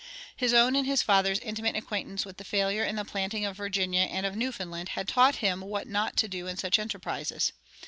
His own and his father's intimate acquaintance with failure in the planting of Virginia and of Newfoundland had taught him what not to do in such enterprises.